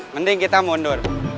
mending kita mundur